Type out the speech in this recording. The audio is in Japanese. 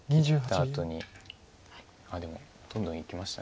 あっでもどんどんいきました。